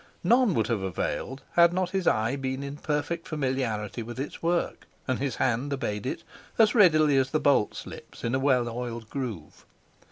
None would have availed had not his eye been in perfect familiarity with its work, and his hand obeyed it as readily as the bolt slips in a well oiled groove.